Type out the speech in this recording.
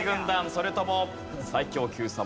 それとも最強Ｑさま！！